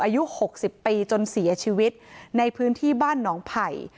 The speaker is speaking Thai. อายุ๖๐ปีจนเสียชีวิตในพื้นที่บ้านหนองไผ่